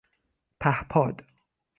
پهپاد